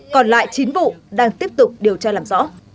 còn lại chín vụ đang tiếp tục điều tra làm rõ